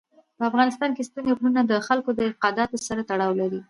په افغانستان کې ستوني غرونه د خلکو د اعتقاداتو سره تړاو لري.